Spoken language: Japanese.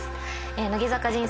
乃木坂人生